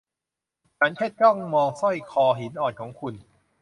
ฉันแค่จ้องมองสร้อยคอหินอ่อนของคุณ